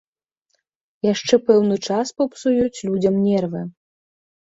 Яшчэ пэўны час папсуюць людзям нервы.